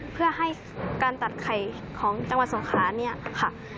เพื่อให้การตัดไข่ของจังหวัดสงขาเนี่ยค่ะ